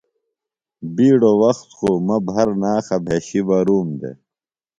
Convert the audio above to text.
بِیڈوۡ وخت خوۡ مہ بھرناخہ بھیشیۡ بہ روم دےۡ